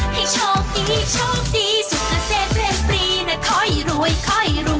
ให้โชคดีโชคดีสุขเกษตรเรียนปรีนะค่อยรวยค่อยรวย